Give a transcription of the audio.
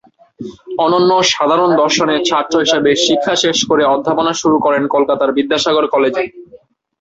অনন্য সাধারণ দর্শনের ছাত্র হিসাবে শিক্ষা শেষ করে অধ্যাপনা শুরু করেন কলকাতার বিদ্যাসাগর কলেজে।